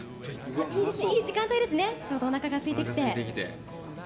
いい時間帯ですね、ちょうどおなかがすいてきて。